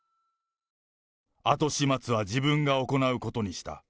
後始末は自分が行うことにした。